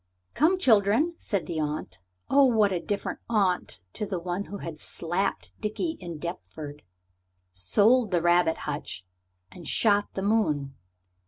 "Come, children," said the aunt oh, what a different aunt to the one who had slapped Dickie in Deptford, sold the rabbit hutch, and shot the moon!